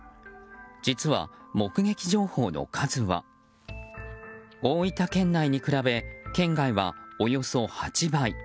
実は目撃情報の数は大分県内に比べ県外はおよそ８倍。